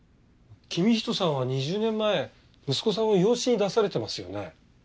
公仁さんは２０年前息子さんを養子に出されてますよね？